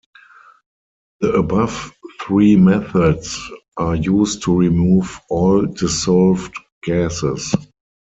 The above three methods are used to remove "all" dissolved gases.